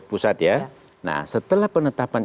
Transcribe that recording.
pusat ya nah setelah penetapan